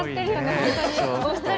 本当に。